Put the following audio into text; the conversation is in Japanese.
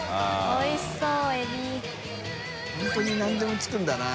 おいしそう。